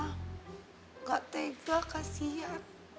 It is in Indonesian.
nggak tega kasian